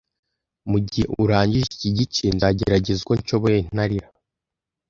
Mugihe urangije iki gice, nzagerageza uko nshoboye ntarira.